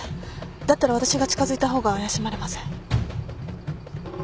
だったら私が近づいた方が怪しまれません。